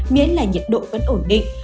miễn là nhiệt độ vẫn ổn định